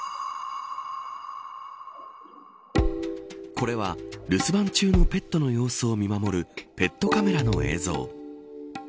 これは、留守番中のペットの様子を見守るペットカメラの映像。